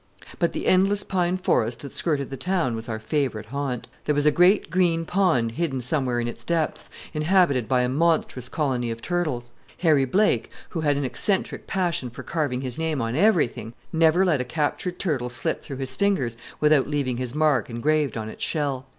But the endless pine forest that skirted the town was our favorite haunt. There was a great green pond hidden somewhere in its depths, inhabited by a monstrous colony of turtles. Harry Blake, who had an eccentric passion for carving his name on everything, never let a captured turtle slip through his fingers without leaving his mark engraved on its shell.